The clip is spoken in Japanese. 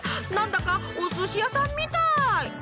なんだかお寿司屋さんみたい。